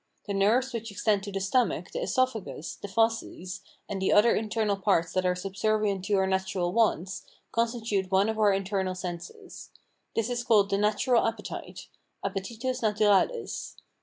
The nerves which extend to the stomach, the oesophagus, the fauces, and the other internal parts that are subservient to our natural wants, constitute one of our internal senses. This is called the natural appetite (APPETITUS NATURALIS).